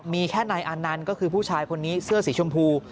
มีแค่นายอานันต์ก็คือผู้ชายคนนี้เสื้อสีชมพู